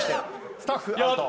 「スタッフ」アウト。